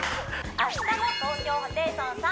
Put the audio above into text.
明日も東京ホテイソンさん